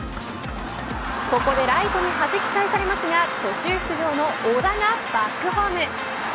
ここでライトにはじき返されますが途中出場の小田がバックホーム。